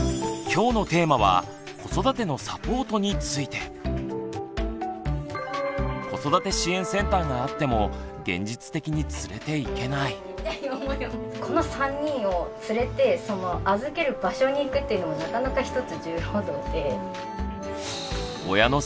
きょうのテーマは「子育てのサポート」について。子育て支援センターがあってもこの３人を連れてその預ける場所に行くっていうのもなかなかひとつ重労働で。